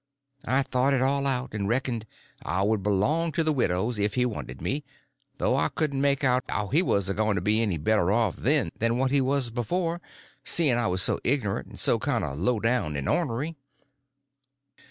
I thought it all out, and reckoned I would belong to the widow's if he wanted me, though I couldn't make out how he was a going to be any better off then than what he was before, seeing I was so ignorant, and so kind of low down and ornery.